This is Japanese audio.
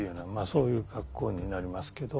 そういう格好になりますけど。